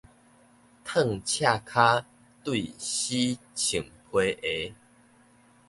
褪赤跤對死穿皮鞋